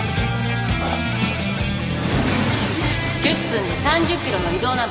１０分で３０キロの移動な